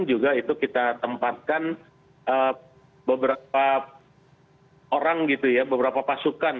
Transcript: juga itu kita tempatkan beberapa orang gitu ya beberapa pasukan